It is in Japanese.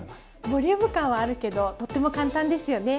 ボリューム感はあるけどとっても簡単ですよね。